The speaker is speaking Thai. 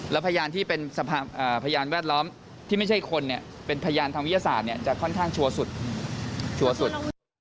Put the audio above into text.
แล้วพยานที่เป็นพยานแวดล้อมที่ไม่ใช่คนเป็นพยานทางวิทยาศาสตร์จะค่อนข้างชัวร์สุด